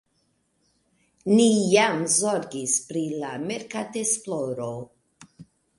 Ni jam zorgis pri la merkatesploro.